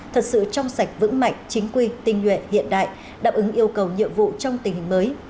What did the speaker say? thật sự trong sạch vững mạnh chính quy tinh nhuệ hiện đại đáp ứng yêu cầu nhiệm vụ trong tình hình mới